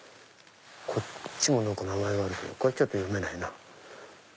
こっちも名前があるんだけどこれは読めないな。